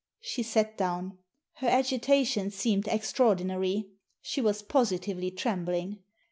She sat down. Her agitation seeriied extraordinary. She was positively trembling.